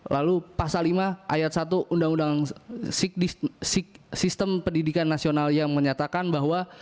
lalu pasal lima ayat satu undang undang sistem pendidikan nasional yang menyatakan bahwa